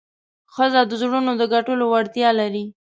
ښځه د زړونو د ګټلو وړتیا لري.